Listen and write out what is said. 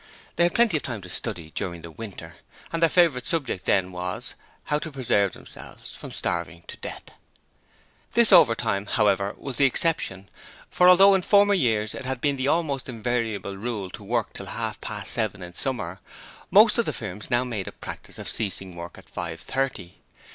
They had plenty of time to study during the winter: and their favourite subject then was, how to preserve themselves from starving to death. This overtime, however, was the exception, for although in former years it had been the almost invariable rule to work till half past seven in summer, most of the firms now made a practice of ceasing work at five thirty.